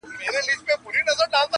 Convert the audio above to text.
دا ماته هینداره جوړومه نور ,